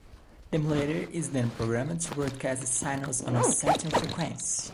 The modulator is then programmed to broadcast the signals on a certain frequency.